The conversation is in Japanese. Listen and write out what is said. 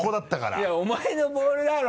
いやお前のボールだろ！